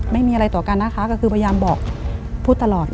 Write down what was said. ไม่มีอะไรต่อกันนะคะก็คือพยายามบอกพูดตลอด